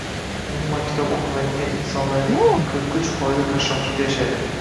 Umuman kitob o‘qimaydigan insonlarning qirq uch foizi qashshoqlikda yashaydi.